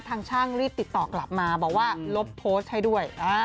ทางช่างรีบติดต่อกลับมาบอกว่าลบโพสต์ให้ด้วย